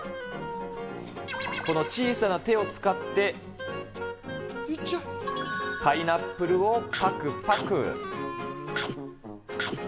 この小さな手を使って、パイナップルをぱくぱく。